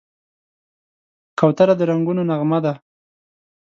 کوتره د رنګونو نغمه ده.